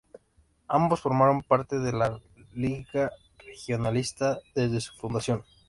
Ambos formaron parte de la Liga Regionalista desde su fundación.